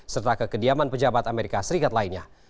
serta ke kediaman pejabat amerika serikat lainnya